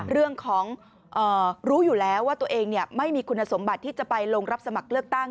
เรื่องของรู้อยู่แล้วว่าตัวเองไม่มีคุณสมบัติที่จะไปลงรับสมัครเลือกตั้ง